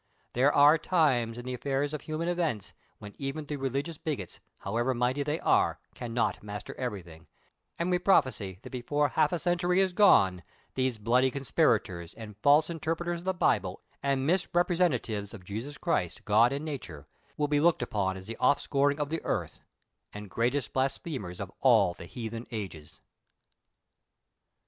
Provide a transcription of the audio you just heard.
There are times in the affairs of human events when even the religious bigots, hoAvever mighty they are, cannot master ever)i;hing, and we prophesy tliat before half a century is gone by, these Moody conspirators and false inter preters of the Bible, and misrepresentatives of Jesus Christ, God and Xature, will be looked upon as the offscouring of the earth, and greatest blasphemers of all the heathen ages.